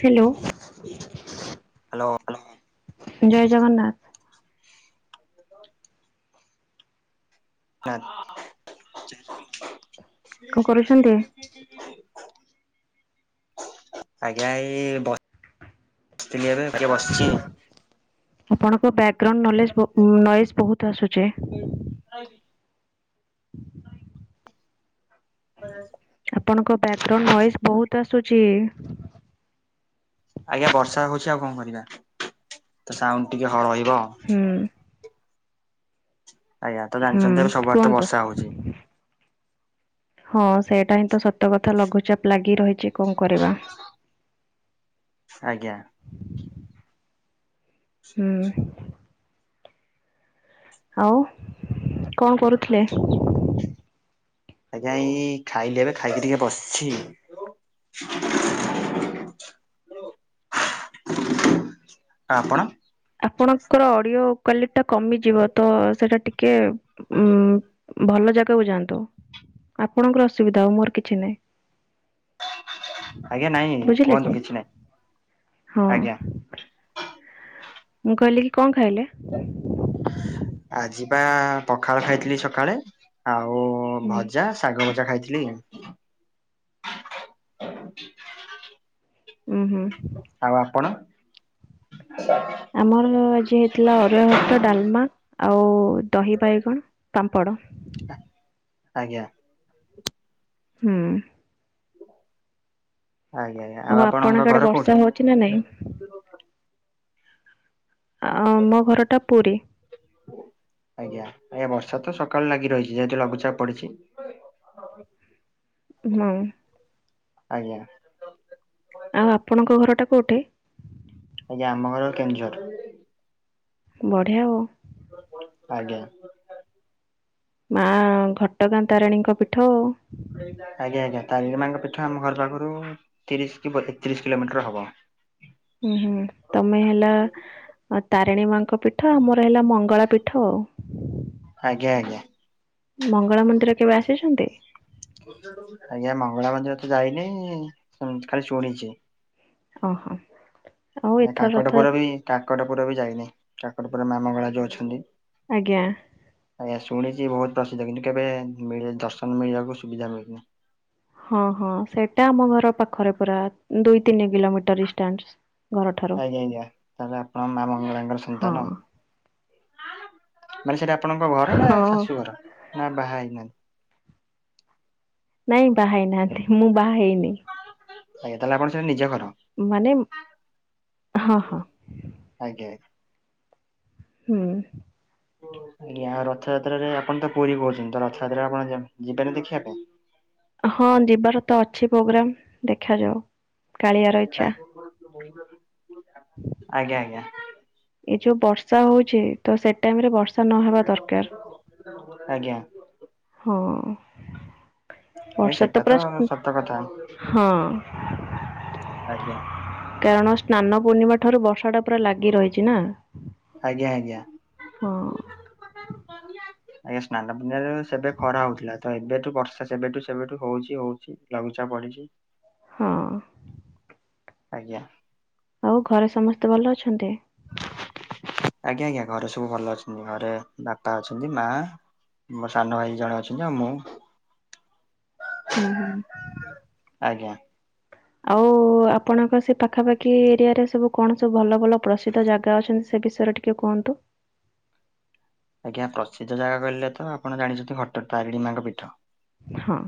Hello hello ଜୟ ଜଗନ୍ନାଥ। [inaudible] କଣ କରୁଛନ୍ତି? ହଁ। ଆଜ୍ଞା ଏଇ ବ ସିଥିଲେରେ ଟିକେ ବସିଛି ଆଉ। ଆପଣଙ୍କ ବ୍ୟାଗ୍ରାଉଣ୍ଡ ନଲେଜ୍ ନଏଜ୍ ବହୁତ ଆସୁଛି। [unintelligible] [unintelligible] ଆପଣଙ୍କ ବ୍ୟାଗ୍ରାଉଣ୍ଡ ନଏଜ ବହୁତ ଆସୁଛି। ଆଜ୍ଞା ବର୍ଷା ହଉଛି ଆଉ କଣ କରିବା ତ ସାଉଣ୍ଡ ଟିକେ ହଳ ରହିବ। ହୁଁ। ଆଜ୍ଞା ତ ହୁଁ ଜାଣିଛନ୍ତି ଏବେ ସବୁଆଡ଼େ ତ କୁହନ୍ତୁ। ବର୍ଷା ହଉଛି। ହଁ ସେଇଟା ହିଁ ତ ସତ କଥା ଲଘୁଚାପ ଲାଗି ରହିଛି କଣ କରିବା? ଆଜ୍ଞା। ହୁଁ। ଆଉ କଣ କରୁଥିଲେ? ଆଜ୍ଞା ଏଇ ଖାଇଲି ଏବେ ଖାଇକି ଟିକେ ବସିଛି। ଆଉ ଆପଣ? ଆପଣଙ୍କର ଅଡ଼ିଓ କ୍ଵାଲିଟି ଟା କମିଯିବ ତ ସେଇଟା ଟିକେ ଉଁ ଭଲ ଜାଗାକୁ ଯାଆନ୍ତୁ। ଆପଣଙ୍କର ଅସୁବିଧା ଆଉ ମୋର କିଛି ନାହିଁ। ଆଜ୍ଞା ନାଇଁ ବୁଝିଲେ କି କୁହନ୍ତୁ କିଛି ନାଇଁ ହଁ ଆଜ୍ଞା। ମୁଁ କହିଲି କି କଣ ଖାଇଲେ? ଆଜି ବା ପଖାଳ ଖାଇଥିଲି ସକାଳେ। ଆଉ ହୁଁ ଭଜା ଶାଗ ଭଜା ଖାଇଥିଲି। ଉଁ ହୁଁ। ଆଉ ଆପଣ? ଆମର ଆଜି ହେଇଥିଲା ଅରୁଆ ଭାତ ଡାଲମା ଆଉ ଦହି ବାଇଗଣ। ପାମ୍ପଡ଼। ଆଜ୍ଞା। ହୁଁ। ଆଜ୍ଞା ଆଜ୍ଞା। ଆଉ ଆପଣଙ୍କ ଆଡ଼େ ବର୍ଷା ହଉଛି ନା ନାଇଁ? ଆ ଆମ ଘରଟା ପୁରୀ। ଆଜ୍ଞା ଆଜ୍ଞା ବର୍ଷା ତ ସକାଳ ଲାଗି ରହିଛି ଯେହେତୁ ଲଘୁଚାପ ପଡ଼ିଛି। [unintelligible] ହୁଁ। ଆଜ୍ଞା। ଆଉ ଆପଣଙ୍କ ଘରଟା କଉଠି? ଆଜ୍ଞା ଆମ ଘର କେନ୍ଦୁଝର। ବଢ଼ିଆ ଆଉ। ଆଜ୍ଞା। ମା ଘଟଗାଁ ତାରାଣୀଙ୍କ ପୀଠ ଆଉ। ଆଜ୍ଞା ଆଜ୍ଞା ତାରିଣୀ ମାଙ୍କ ପୀଠ ଆମ ଘର ପାଖରୁ ତିରିଶ କି ବତ୍ ତିରିଶ କିଲୋମିଟର ହବ। ହୁଁ ହୁଁ ତମେ ହେଲା ତାରିଣୀ ମାଙ୍କ ପୀଠ ଆମର ହେଲା ମଙ୍ଗଳା ପୀଠ ଆଉ। ଆଜ୍ଞା ଆଜ୍ଞା। ମଙ୍ଗଳା ମନ୍ଦିର କେବେ ଆସିଛନ୍ତି? ଆଜ୍ଞା ମଙ୍ଗଳା ମନ୍ଦିର ତ ଯାଇନି ଶୁଣୁ ଖାଲି ଶୁଣିଛି। ଓହୋ। ଆଉ ଏଥର ରଥ କାକଟପୁର ବି କାକଟପୁର ବି ଯାଇନି କାକଟପୁର ମା ମଙ୍ଗଳା ଯୋଉ ଅଛନ୍ତି। ଆଜ୍ଞା। ଆଜ୍ଞା ଶୁଣିଛି ବହୁତ ପ୍ରସିଦ୍ଧ କିନ୍ତୁ କେବେ ମିଳି ଦର୍ଶନ ମିଳିବାକୁ ସୁବିଧା ମିଳୁନି। ହଁ ହଁ ସେଇଟା ଆମ ଘର ପାଖରେ ପୁରା ଦୁଇ ତିନି କିଲମି ଆଜ୍ଞା ଆଜ୍ଞା ତା ହେଲେ ଆପଣ ମା ମଙ୍ଗଳାଙ୍କର ହଁ ସନ୍ତାନ। ମାନେ ସେଟା ଆପଣଙ୍କ ଘର ନା ହଁ ଶାଶୁ ଘର ନା ବାହା ହେଇନାହାନ୍ତି? ନାଇଁ ବାହାହେଇ ନାହାନ୍ତି ମୁଁ ବାହା ହେଇନି। ଆଜ୍ଞା ତା ହେଲେ ଆପଣଙ୍କ ସେଟା ନିଜ ଘର? ମାନେ ହଁ ହଁ। ଆଜ୍ଞା। ହୁଁ ଯାହା ରଥଯାତ୍ରାରେ ଆପଣ ତ ପୁରୀ କହୁଛନ୍ତି ତ ରଥଯାତ୍ରା ଆପଣ ଯିବା ଯିବାନି ଦେଖିବା ପାଇଁ? ହଁ ଯିବାର ତ ଅଛି ପ୍ରୋଗ୍ରାମ୍ ଦେଖାଯାଉ। କାଳିଆର ଆ ଇଚ୍ଛା ଆଜ୍ଞା ଆଜ୍ଞା। ଏ ଯୋଉ ବର୍ଷା ହଉଛି ତ ସେ ଟାଇମ୍ ରେ ବର୍ଷା ନ ହବା ଦରକାର। ଆଜ୍ଞ। ହଁ। ଆଜ୍ଞା ବର୍ଷା ତ ସେଟା ପୁରା ସ ସତ କଥା ହଁ। ଆଜ୍ଞା। କାରଣ ସ୍ନାନ ପୂର୍ଣ୍ଣିମା ଠାରୁ ବର୍ଷା ଟା ପୁରା ଲାଗି ରହିଛି ନା? ଆଜ୍ଞା ଆଜ୍ଞା। ହଁ। [unintelligible] ଆଜ୍ଞା ସ୍ନାନ ପୁର୍ଣ୍ଣିମା ଯେବେ ସେବେ ଖରା ହଉଥିଲା ତ ଏବେଠୁ ବର୍ଷା ସେବେଠୁ ସେବେଠୁ ହଉଛି ହଉଛି ଲଘୁଚାପ ବଢ଼ିଛି। ହଁ। ଆଜ୍ଞା। ଆଉ ଘରେ ସମସ୍ତେ ଭଲ ଅଛନ୍ତି। ଆଜ୍ଞା ଆଜ୍ଞା ଘରେ ସବୁ ଭଲ ଅଛନ୍ତି ଘରେ ବାପା ଅଛନ୍ତି ମା- ମୋ ସାନ ଭାଇ ଜଣେ ଅଛନ୍ତି ଆଉ ମୁଁ। ହୁଁ ହୁଁ ହୁଁ। ଆଜ୍ଞା। ଆଉ ଆପଣଙ୍କ ସେ ପାଖାପାଖି ଏରିଆ ରେ ସବୁ କଣ ସବୁ ଭଲ ଭଲ ପ୍ରସିଦ୍ଧ ଜାଗା ଅଛନ୍ତି ସେ ବିଷୟରେ ଟିକେ ଟିକେ କୁହନ୍ତୁ। ଆଜ୍ଞା ପ୍ରସିଦ୍ଧ ଜାଗା କହିଲେ ତ ଆପଣ ଜାଣିଛନ୍ତି ଘଟ ତାରିଣୀ ମାଙ୍କ ପୀଠ। ହଁ।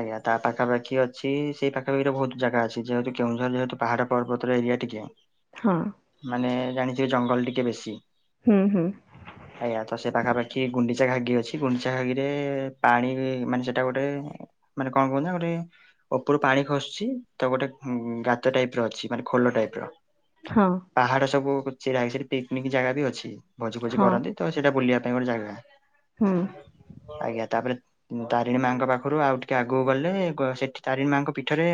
ଆଜ୍ଞା ତା ପାଖାପାଖି ଅଛି ସେଇ ପାଖାପଖିରେ ବହୁତ୍ ଜାଗା ଅଛି ଯେହେତୁ କେଉଁଝର ଯେହେତୁ ପାହାଡ଼ ପର୍ବତର ଏରିଆ ଟିକେ। ହଁ। ମାନେ ଜାଣିଚ ଜଙ୍ଗଲ ଟିକେ ବେଶୀ। ହୁଁ ହୁଁ। [inaudible] ଆଜ୍ଞା ତ ସେ ପାଖାପାଖି ଗୁଣ୍ଡିଚା ଘାଗି ଅଛି ଗୁଣ୍ଡିଚା ଘାଇରେ ପାଣି ବି ମାନେ ସେଟା ଗୋଟେ- ମାନେ କଣ କହୁନ୍ତିନା ଗୋଟେ- ଉପରୁ ପାଣି ଖସୁଛି ତ ଗୋଟେ ଗାତ ଟାଇପ୍ ର ଅଛି ମାନେ ଖୋଲ ଟାଇପ୍ ର। ହଁ। ପାହାଡ଼ ସବୁ ଚିରା ହେଇଛି ପିକି୍ନିକ୍ ଜାଗା ବି ଅଛି ଭୋଜି ଫୋଜି ହଁ କରନ୍ତି ତ ସେଇଟା ବୁଲିବା ପାଇଁ ଗୋଟେ ଜାଗା। ହୁଁ ଆଜ୍ଞା ତାପରେ ତାରିଣୀ ମାଆଙ୍କ ପାଖରୁ ଆଉି ଟି- କେ ଆଗକୁ ଗଲେ ସେଠି ତାରିଣୀ ମା ଙ୍କ ପୀଠରେ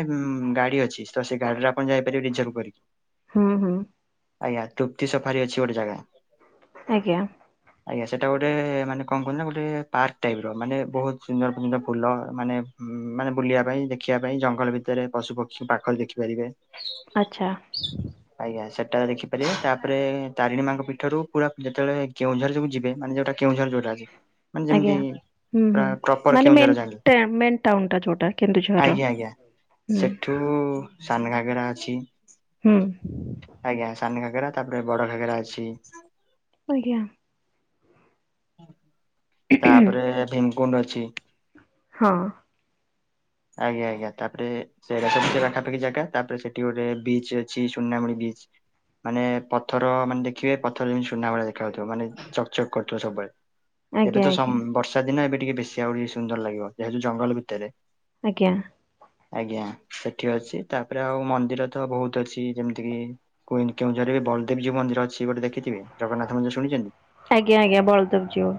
ଗାଡ଼ି ଅଛି ତ ସେ ଗାଡ଼ିରେ ଆପଣ ଯାଇପାରିବେ ରିଜର୍ଭ କରିକି। [inaudible] ହୁଁ ହୁଁ। ଆଜ୍ଞା ତୃପ୍ତି ସଫାରି ଅଛି ଗୋଟେ ଜାଗା। ଆଜ୍ଞା। ଆଜ୍ଞା ସେଟା ଗୋଟେ ମାନେ କଣ କୁହନ୍ତି ନା ଗୋଟେ ପାର୍କ ଟାଇପ୍ ର ମାନେ ବହୁତ ସୁନ୍ଦର ସୁନ୍ଦର ଫୁଲ ମାନେ ହଁ ମାନେ ବୁଲିବା ପାଇଁ ଦେଖିବା ପାଇଁ ଜଙ୍ଗଲ ଭିତରେ ପଶୁ ପକ୍ଷୀଙ୍କୁ ପାଖରେ ଦେଖିପାରିବେ। [inaudible] ଆଚ୍ଛା ଆଜ୍ଞା ସେଟାରେ ଦେଖିପାରିବେ ତାପରେ ତାରିଣୀ ମାଙ୍କ ପୀଠରୁ ପୁରା ଯେତେବେଳେ କେଉଁଝର ଯୋଉ ଯିବେ ମାନେ ଯୋଉଟା- କେଉଁଝର ଯୋଉଟା। ମାନେ ଯେମିତି ଆଜ୍ଞା ହୁଁ ପୁରା ହୁଁ ପ୍ରପର ମାନେ କେଉଁଝର ମେନ୍ ଯାଆନ୍ତି ଟ୍ରାମେଣ୍ଟ- ଟାଉନ ଟା ଯୋଉଟା କେନ୍ଦୁଝର ହୁଁ। ଟୁ ସାନ ଘାଗରା ଅଛି ହୁଁ ଆଜ୍ଞା। ସାନ ଘାଗେରା ତାପରେ ବଡ଼ ଘାଗେରା ଅଛି। ଆଜ୍ଞା। ତାପରେ ଭୀମକୁଣ୍ଡ ଅଛି। ହଁ। ଆଜ୍ଞା ଆଜ୍ଞା ତାପରେ- ସେଇଟା ତ ଜାଗା ଟ୍ରାଫିକ୍ ଜାଗା ତାପରେ ସେଠି ଗୋଟେ ବିଚ୍ ଅଛି ସୁନାମୁଣି ବିଚ୍ ମାନେ ପଥର ମାନେ ଦେଖିବେ ପଥର ଯେମିତି ସୁନା ଭଳିଆ ଦେଖାଯାଉଥିବ ମାନେ- ଚକ୍ ଚକ୍ କରୁଥିବ ସବୁବେଳେ। ଏବେ ଆଜ୍ଞା ତ ସମ୍ ଆଜ୍ଞା ବର୍ଷା ଦିନେ ଏବେ ଟିକେ ବେଶୀ ଆହୁରି ସୁନ୍ଦର ଲାଗିବ ଯେହେତୁ ଜଙ୍ଗଲ ଭିତେରେ। ଆଜ୍ଞା। ଆଜ୍ଞା ସେଠି ଅଛି ତାପରେ ଆଉ ମନ୍ଦିର ତ ବହୁତ ଅଛି ଯେମିତି କିି କୁହି କେଉଁଝରିବେ ବଳଦେବ ଯୀଉ ମନ୍ଦିର ଅଛି ଗୋଟେ ଦେଖଥିବେ ଜଗନ୍ନାଥନ୍ଦିର ଶୁଣିଛନ୍ତି। ଆଜ୍ଞା ଆଜ୍ଞା ବଳଦେବ ଯିୟୁ।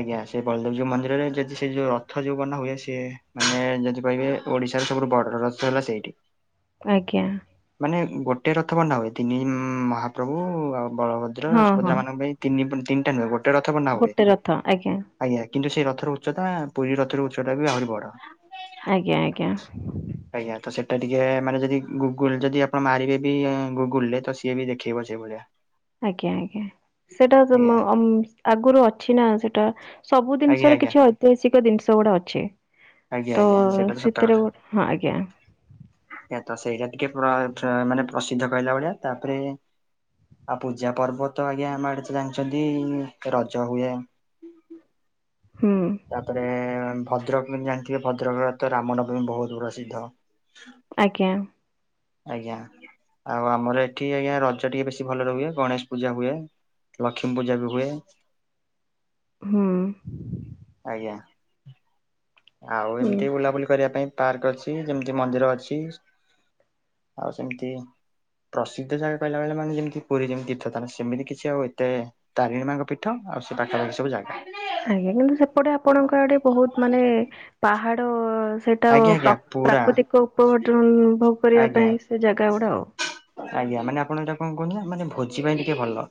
ଆଜ୍ଞା ସେ ବଳଦେବ ଯୋଉମନ୍ଦିରରେ ଯଦି ସେ ଯୋଉ ରଥ ଯୋଉ ବନା ହୁଏ ସିଏ ମାନେ ଯଦି କହିବେ ଓଡିଶାର ସବୁଠୁ ବର୍ଡର ରଥ ହେଲା ସେଇଠି। ଆଜ୍ଞା। ମାନେ ଗୋଟେ ରଥ ବାନ। ହୁଏ ତିନି ମହାପ୍ରଭୁ ଆଉ ବଳଭଦ୍ର ହଁ ହଁ ସୁଭଦ୍ରା ମାନଙ୍କ ପାଇଁ ତିନି ତିନିଟା ନୁହେଁ ଗୋଟେ ରଥବନା ହୁଏ। ଗୋଟେ ରଥ ଆଜ୍ଞା ଆଜ୍ଞା କିନ୍ତୁ ସେଇ ରଥର ଉଚ୍ଚତା ପୁରୀ ରଥର ଉଚ୍ଚତାା ବି ଆହୁରି ବଡ। ଆଜ୍ଞା ଆଜ୍ଞା। ଆଜ୍ଞା ତ ସେଇଟା ଟିକେ ମାନେ ଯଦି ଗୁଗୁଲ ଯଦି ଆପଣ ମାରିବେ ବି ଗୁଗୁଲରେ ତ। ସିଏ ବି ଦେଖିଇବ ସେଭଳିଆ। ଆଜ୍ଞା ଆଜ୍ଞା ସେଟା ଆଜ୍ଞା ଆଗରୁ ଅଛି ନା ସେଟା। ସବୁ ଆଜ୍ଞା ଜିନିଷର ଆଜ୍ଞା କିଛି ଐତିହାସିକ ଜିନିଷ ଗୁଡା ଅଛି। ଆଜ୍ଞା ତ ଆଜ୍ଞା ସେଇଟା ତ ସେଥିରେ ହଁ ଆଜ୍ଞା। ଏ ତ ସେଇଟା ଟିକେ ମାନେ ପ୍ରସିଦ୍ଧ କହିଲା ଭଳିଆ ତାପରେ ଆଉ ପୂଜା ପର୍ବ ତ ଆଜ୍ଞା ଆମ ଆଡେ ତ ଜାଣିଛନ୍ତି ରଜ ହୁଏ। ହୁଁ। ତାପରେ ଭଦ୍ରକ ବି ଜାଣିଥିବେ ଭଦ୍ରକରେ ତ ରାମନବମୀ ବହୁତ ପ୍ରସିଦ୍ଧ। ଆଜ୍ଞା। ଆଜ୍ଞା। ଆଉ ଆମର ଏଠି ଆଜ୍ଞା ରଜ ଟିକେ ବେଶୀ ଭଲ ରୁହଏ ଗଣେଶ ପୂଜା ହୁଏ। ଲକ୍ଷ୍ମୀ ପୂଜା ବି ହୁଏ। ହଁ। ଆଜ୍ଞା। ଆଉ ହୁଁ ଏମିତି ବୁଲାବୁଲି କରିବା ପାଇଁ ପାର୍କ ଅଛି ଯେମିତି ମନ୍ଦିର ଅଛି। ଆଉ ସେମିତି। ପ୍ରସିଦ୍ଧ ଜାଗା କହିଲା ମାନେ ଯେମିତି ପୁରୀ ଯେମିତି ତୀର୍ଥାନ ସେମିତି କିଛି ଆଉ ଏତେ ତାରିଣୀ ମାଙ୍କ ପୀଠ ଆଉ ସେ ପାଖାପାଖି ସବୁ ଜାଗା। ଆଜ୍ଞା କିନ୍ତୁ ସେପଟେ ଆପଣଙ୍କ ଆଡେ ବହୁତ ମାନେ ପାହାଡ ସେ। ଟା ଆଜ୍ଞା ଆଜ୍ଞା ପୁରା ପ୍ରାକୃତିକ ଉପବର୍ଟନ ଭୋଗ କରିବା ଆଜ୍ଞା ପାଇଁ ସେ ଜାଗା ଗୁଡା। ଆଜ୍ଞା ମାନେ ଆପଣ ଏଟା କଣ କହୁଛନ୍ତି ନା ମାନେ ଭୋଜି ପାଇଁ ଟିକେ ଭଲ।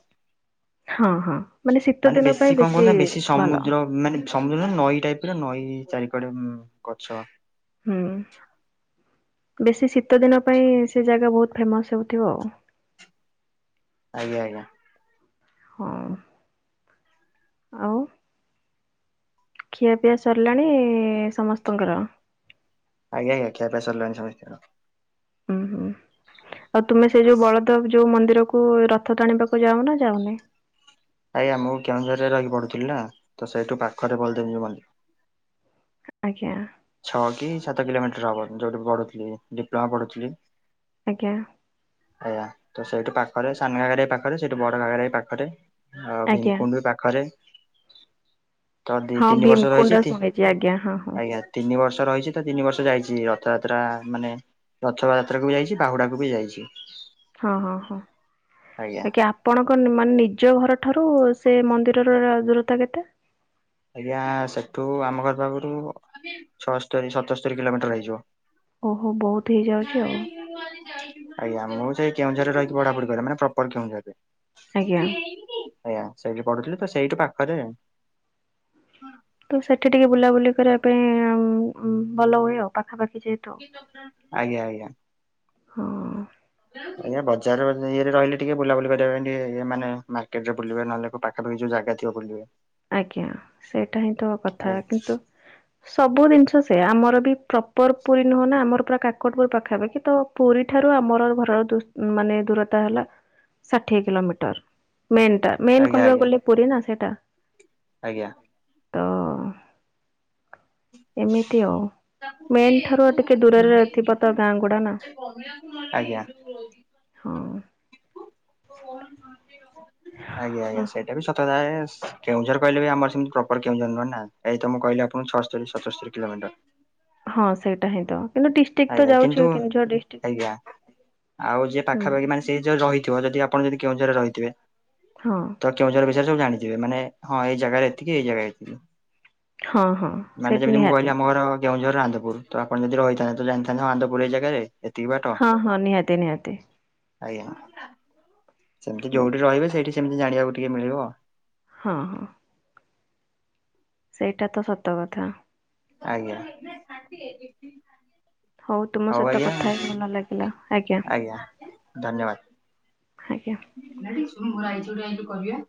ହଁ ହଁ ଶୀତ ମାନେ ଦିନ ପାଇଁ ବେଶୀ କଣ କହୁନା ବେଶୀ ଭଲ ସମୁଦ୍ର ମାନେ ସମୁଦ୍ର ନଈ ଟାଇପରେ ନଈ ଚାରି ପଟେ ଗଛ। ହୁଁ ବେଶୀ ଶୀତ ଦିନ ପାଇଁ ସେ ଜାଗା ବହୁତ ଫେମସ ହଉଥିବ। ଆଜ୍ଞା ଆଜ୍ଞା। ହଁ। ଆଉ ଖିଆପିଆ ସରିଲାଣି ସମସ୍ତଙ୍କର। ଆଜ୍ଞା ଆ୍ଞା। ଖିଆ ପିଆ ସାରିଲଣି ସମସ୍ତ କର। ହୁଁ ହୁଁ ଆଉ ତୁମେ ସେ ଯୋଉ ବଳଦେବ ଯୋଉ ମନ୍ଦିରକୁ କୁ ରଥ ଟାଣିବାକୁ ଯାଉ ନା ଯାଉନି। ଆଜ୍ଞା ମୁଁ କେଉଁଝରରେ ରହିି ପଢ଼ୁଥିଲନା ତ ସେଇଠୁ ପାଖରେ ବଳଦେବଜିଉ ମନ୍ଦିର। ଆଜ୍ଞା। ଛଅ କି ସାତ କିଲୋମିଟର ହବ ଯୋଉଠି ପଢୁଥିଲି ଡିପ୍ଲୋମା ପଢୁଥିଲି। ଆଜ୍ଞା। ଆଜ୍ଞା ସେଇଠୁ ପାଖରେ ସାନ ଘାଗର ପାଖରେ ସେଇଠୁ ବଡ ଘାଗର ପାଖରେ। ଆଉ ଆଜ୍ଞା ଭିଙ୍କୁଣ୍ଡ ବି ପାଖରେ। ତ ଦି ହଁ ତିନି ବର୍ଷ ଭୀମକୁଣ୍ଡ ରଇଚିନ୍ତି ଶୁଣିଛି ଆଜ୍ଞା ହଁ ହଁ। ଆଜ୍ଞା। ତିନି ବର୍ଷ ରହିଛି ତ ତିନି ବର୍ଷ ଯାଇଛି ରଥଯାତ୍ରା ମାନେ ରଥ ଯାତ୍ରାକୁ ବି ଯାଇଛି ବାହୁଡ଼ାକୁ ବି ଯାଇଛି। ହଁ ହଁ ହଁ ଆଜ୍ଞା [unintelligible] ଆପଣଙ୍କ ମାନେ ନିଜ ଘରଠାରୁ ସେ ମନ୍ଦିରର ଦୂରତା କେତେ? ଆଜ୍ଞା ସେଠୁ ଆମ ଘର ପାଖରୁ ଛଅସ୍ତରୀ ସତସ୍ତରୀ କିଲୋମିଟର ହେଇଯିବ। ଓହୋ ବହୁତ ହେଇଯାଉଛି ଆଉ। ଆଜ୍ଞା ମୁଁ ସେଇ କେଉଁଝରରେ ରହିକି ପଢାପଢି କରେ ମାନେ ପ୍ରପର କେଉଁଝରରେ। ଆଜ୍ଞା। ଆଜ୍ଞା ସେଇଠି ପଢୁଥିଲି ତ ସେଇଠୁ ପାଖରେ। ହଁ ତ ସେଠି ଟିକେ ବୁଲାବୁଲି କରିବା ପାଇଁ ଭଲ ହୁଏ ଆଉ ପାଖାପାଖି ଯେହେତୁ ଆଜ୍ଞା ଆଜ୍ଞା। ହଁ ଆଜ୍ଞା ବଜାର ଇଏରେ ରହିଲେ ଟିକେ ବୁଲାବୁଲି କରିବା ପାଇଁ ମାନେ ମାର୍କେଟ ରେ ବୁଲିବେ ନହେଲେ ପା ଯୋଉ ଜାଗା ଥିବ ବୁଲିବେ। ଆଜ୍ଞା ସେଇଟା ହିଁ ତ କଥା କିନ୍ତୁ ସବୁ ଜିନିଷ ସେ ଆମର ବି ପ୍ରପର ପୁରୀ ନୁହଁ ନା ଆମର ପୁରା କାକଟପୁର ପାଖାପାଖି ତ ପୁରୀ ଠାରୁ ଆମର ଘରର ମାନେ ଦୂରତା ହେଲା ଷାଠିଏ କିଲୋମିଟର ମେନ୍ ଟା ମେନ୍ ଆଜ୍ଞା କହିବାକୁ ଆଜ୍ଞା ଗଲେ ପୁରୀ ନା ସେଟା ଆଜ୍ଞା। ତ ଏମିତି ଆଉ ମେନ୍ ଠାରୁ ଆଉ ଟିକେ ଦୂରରେ ଥିବ ତ ଗାଁ ଗୁଡା ନା। ଆଜ୍ଞା। ଆଜ୍ଞା ହଁ। ହଁ ଆଜ୍ଞା ସେଇ ଏ ବି ସତତା କେଉଁଝର କହିଲେ ବି ଆମର ସେମିତି ପ୍ରପର କେଉଁଝର ନୁହେଁ ନା ଏଇ ତମ କହିଲେ ଆପଣ ଛସ୍ତରି ପଚସ୍ତରୀ କିଲୋମଟର। ହଁ ସେଇଟା ହିଁ ତ କିନ୍ତୁ ଡ଼ି ଆଜ୍ଞା କିନ୍ତୁ ଆଜ୍ଞା ଆଉ ଯିଏ ହୁଁ। ପାଖାପାଖି ମାନେ ସେ ଯଉ ରହିିବ ଯଦି ଆପଣ ଯଦି କେଉଁଝରରେ ରହିଥିବେ ହଁ। ତ କେଉଁଝୋର ବିଷୟରେ ସବୁ ଜାଣିଥିବେ ମାନେ ହଁ ଏଇ ଜାଗାରେ ଏତିକି ଏଇ ଜାଗାରେ ଏତିକି। ହଁ ହଁ ମାନେ ସେଇଠି ଯେମିତି ମୁଁ ନିହାତି କହିଲି ଆମ ଘର କେଉଁଝର ଆନ୍ଦପୁର ତ ଆପଣ ଯଦି ରହିଥାନ୍ତେ ତ ଜାଣିଥାନ୍ତେ ଆନ୍ଦପୁର ଏଇ ଜାଗାରେ ଏତିକି ବାଟ ହଁ ହଁ ନିହାତି ନିହାତି। ଆଜ୍ଞା। ସେମିତି ଯୋଉଠି ରହିବେ ସେଇଠି ସେମିତି ଜାଣିବାକୁ ଟିକେ ମିଳିବ। ହଁ ହଁ। ସେଇଟା ତ ସତ କଥା। ଆଜ୍ଞା। ହଉ ତୁମ ସହିତ କଥା ହେଇ ଭଲ ଲାଗିଲା ଆଜ୍ଞା। ଆଜ୍ଞା। [unintelligible] କରିବା।